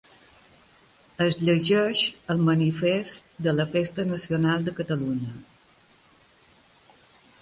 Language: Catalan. Es llegeix el Manifest de la Festa Nacional de Catalunya.